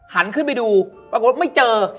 หันขึ้นไปดูปรากฏว่าไม่เจอ